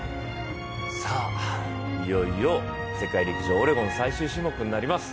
さあ、いよいよ世界陸上オレゴン最終種目になります。